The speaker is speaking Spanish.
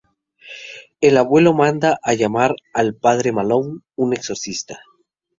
El Abuelo manda a llamar al padre Malone, un exorcista.